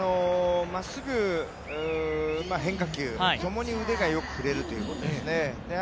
まっすぐ、変化球、とても腕がよく出るということですね。